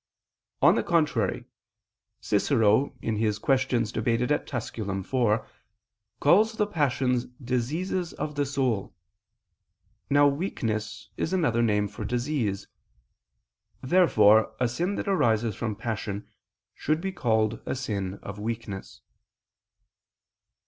On the contrary, Cicero (De Quaest. Tusc. iv) calls the passions diseases of the soul. Now weakness is another name for disease. Therefore a sin that arises from passion should be called a sin of weakness.